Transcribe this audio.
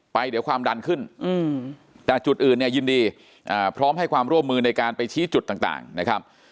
เดี๋ยวความดันขึ้นแต่จุดอื่นเนี่ยยินดีพร้อมให้ความร่วมมือในการไปชี้จุดต่างนะครับ